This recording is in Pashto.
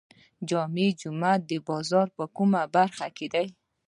جامع جومات د بازار په کومه برخه کې دی؟